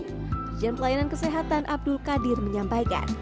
dijen pelayanan kesehatan abdul qadir menyampaikan